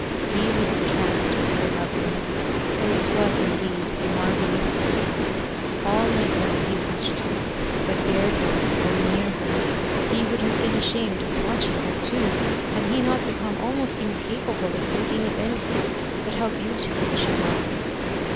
He was entranced with her loveliness, for it was indeed a marvellous thing. All night long he watched her, but dared not go near her. He would have been ashamed of watching her too, had he not become almost incapable of thinking of anything but how beautiful she was.